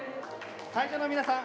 会場の皆さん